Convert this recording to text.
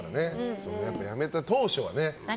辞めた当初はね。